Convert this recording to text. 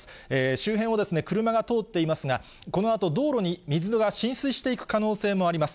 周辺を車が通っていますが、このあと、道路に水が浸水していく可能性もあります。